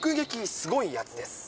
すごいやつです。